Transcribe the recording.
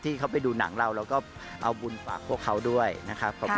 ที่เขาไปดูหนังเราเราก็เอาบุญฝากพวกเขาด้วยนะครับขอบคุณ